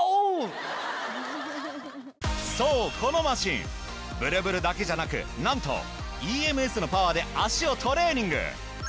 そうこのマシンブルブルだけじゃなくなんとＥＭＳのパワーで足をトレーニング。